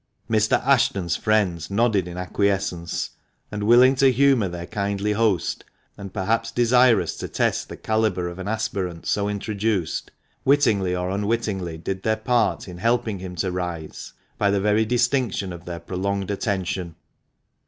Mr. Ashton's friends nodded in acquiescence, and willing to humour their kindly host, and perhaps desirous to test the calibre of an aspirant so introduced, wittingly or unwittingly did their part in helping him to " rise " by the very distinction of their prolonged attention.